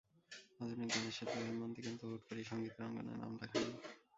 আধুনিক গানের শিল্পী হৈমন্তী কিন্তু হুট করেই সংগীতের অঙ্গনে নাম লেখাননি।